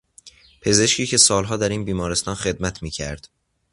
پزشکی که سالها در این بیمارستان خدمت میکرد